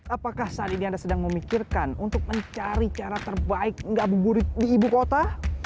apakah saat ini anda sedang memikirkan untuk mencari cara terbaik ngabuburit di ibu kota